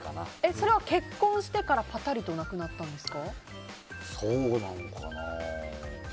それは結婚してからパタリとなくなったんですか？